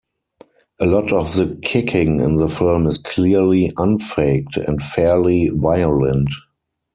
A lot of the kicking in the film is clearly unfaked and fairly violent.